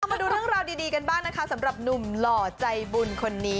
มาดูเรื่องราวดีกันบ้างนะคะสำหรับหนุ่มหล่อใจบุญคนนี้